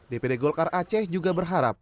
dpd golkar aceh juga berharap